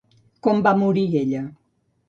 Com va morir ella?